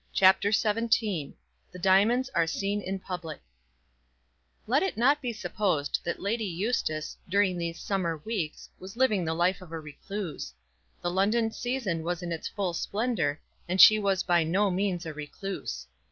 CHAPTER XVII The Diamonds Are Seen in Public Let it not be supposed that Lady Eustace, during these summer weeks, was living the life of a recluse. The London season was in its full splendour, and she was by no means a recluse.